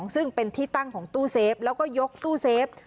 ซึ่งเป็นที่ตั้งของตู้เซฟแล้วก็ยกตู้เซฟ